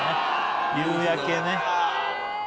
夕焼けね。